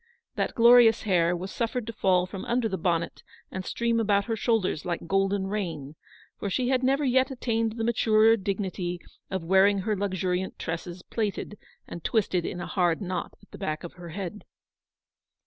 That glorious hair was suffered to fall from under the bonnet and stream about her shoulders like golden rain, for she had never yet attained the maturer dignity of wearing her luxuriant tresses plaited and twisted in a hard knot at the back of her head.